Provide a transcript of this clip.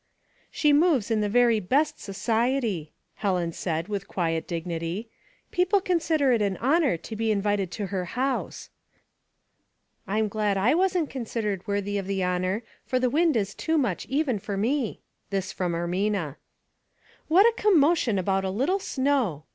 She moves in the very best society," Helen 51 52 Household Puzzles, said, with quiet dignity. " People consider it an honor to be invited to her house." " I'm glad I wasn't considered worthy of the honor, for the wind is too much even for me." This from Ermina. " What a commotion about a little snow